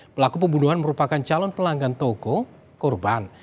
pelaku pembunuhan merupakan calon pelanggan toko korban